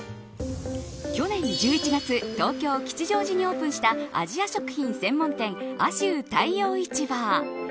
去年１１月、東京、吉祥寺にオープンしたアジア食品専門店亜州太陽市場。